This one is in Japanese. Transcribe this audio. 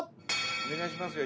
お願いしますよ